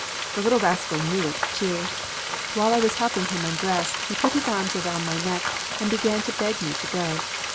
The little rascal knew it, too. While I was helping him undress, he put his arms around my neck, and began to beg me to go.